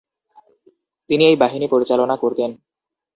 তিনি এই বাহিনী পরিচালনা করতেন।